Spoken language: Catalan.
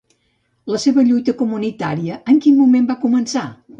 La seva lluita comunitària, en quin moment va començar?